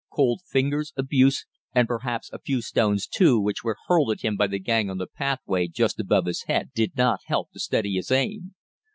Cold fingers, abuse, and perhaps a few stones too, which were hurled at him by the gang on the pathway just above his head, did not help to steady his aim.